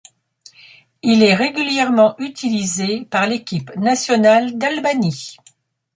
Il est régulièrement utilisé par l'équipe nationale d'Albanie.